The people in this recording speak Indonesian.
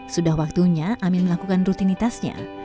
sudah waktunya amin melakukan rutinitasnya